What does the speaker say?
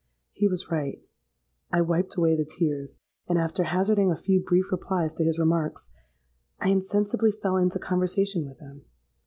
'—He was right: I wiped away the tears; and, after hazarding a few brief replies to his remarks, I insensibly fell into conversation with him.